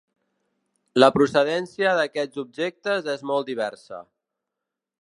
La procedència d’aquests objectes és molt diversa.